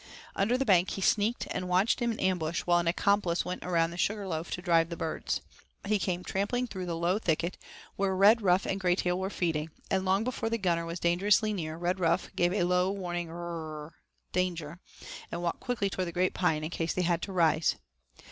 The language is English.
Under the bank he sneaked and watched in ambush while an accomplice went around the Sugar Loaf to drive the birds. He came trampling through the low thicket where Redruff and Graytail were feeding, and long before the gunner was dangerously near Redruff gave a low warning 'rrrrr' (danger) and walked quickly toward the great pine in case they had to rise.